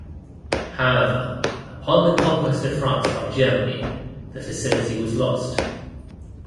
However, upon the conquest of France by Germany, the facility was lost.